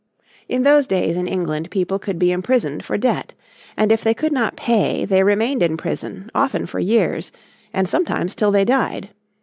In those days in England people could be imprisoned for debt. And if they could not pay they remained in prison often for years, and sometimes till they died.